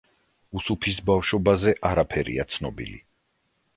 უსუფის ბავშვობაზე არაფერია ცნობილი.